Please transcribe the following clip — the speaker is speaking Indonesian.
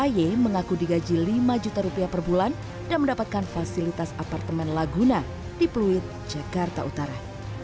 aye mengaku digaji lima juta rupiah per bulan dan mendapatkan fasilitas apartemen laguna di pluit jakarta utara